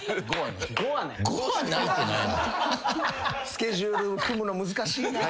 スケジュールを組むの難しいな。